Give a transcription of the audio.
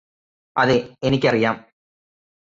അതെ എനിക്കറിയാം